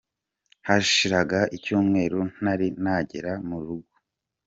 Hashiraga icyuweru ntari nagera mu rugo.